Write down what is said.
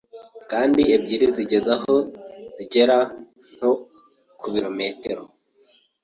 kandi ebyiri zigeze aho zigera nko ku bilometero